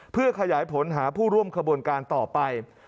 เพื่อขยายผลหาผู้ร่วมขบวนการต่อไป